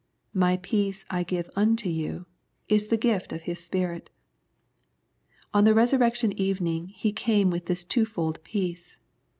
" My peace I give unto you " is the gift of His Spirit. On the Resurrection evening He came with this twofold peace.